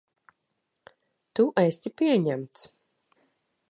Tu esi pieņemts.